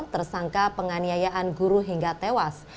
tersangka penganiayaan guru hingga tewas